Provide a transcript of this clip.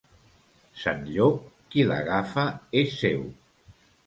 Sant Llop, qui l'agafa és seu.